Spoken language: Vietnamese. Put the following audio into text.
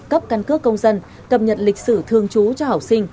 cấp căn cước công dân cập nhật lịch sử thương chú cho học sinh